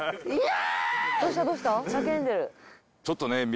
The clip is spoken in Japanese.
ちょっとね